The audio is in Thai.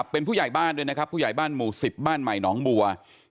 เป็นผู้ใหญ่บ้านสิบบ้านไหม่หนองบัว